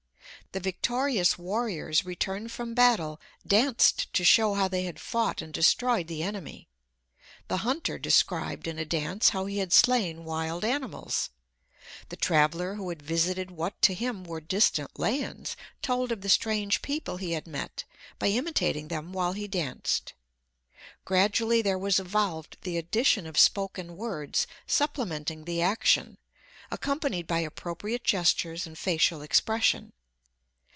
The victorious warriors returned from battle danced to show how they had fought and destroyed the enemy. The hunter described in a dance how he had slain wild animals. The traveller who had visited what to him were distant lands, told of the strange people he had met by imitating them while he danced. Gradually there was evolved the addition of spoken words supplementing the action, accompanied by appropriate gestures and facial expression.